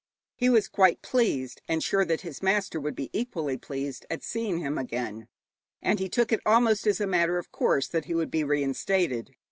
He was quite pleased, and sure that his master would be equally pleased, at seeing him again, and he took it almost as a matter of course that he would be reinstated.